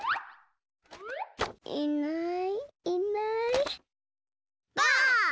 いないいないばあっ！